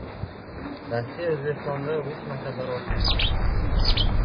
Rossiya O‘zbekistonda rus maktablari ochmoqchi